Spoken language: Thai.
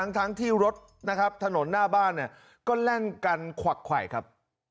ทั้งที่รถนะครับถนนหน้าบ้านเนี่ยก็แล่นกันขวักไขวครับ